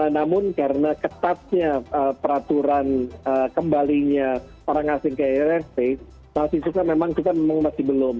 namun karena ketatnya peraturan kembalinya orang asing ke rrt mahasiswa memang itu kan masih belum